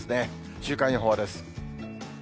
週間予報です。